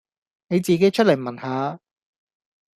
你自己出嚟聞吓呀